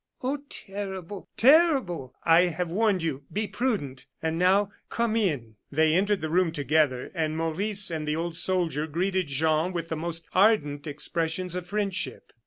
"Oh, terrible! terrible!" "I have warned you; be prudent and now, come in." They entered the room together; and Maurice and the old soldier greeted Jean with the most ardent expressions of friendship.